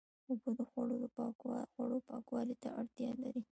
اوبه د خوړو پاکوالي ته اړتیا لري.